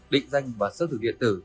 định danh và sơ thực điện tử